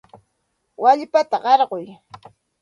Wallpata qarquy.